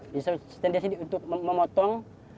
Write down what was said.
pisau stainless ini untuk memotong